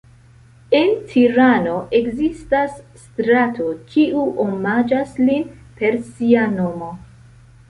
En Tirano ekzistas strato kiu omaĝas lin per sia nomo.